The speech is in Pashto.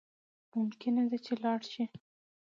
ممکنه ده چی لاړ شی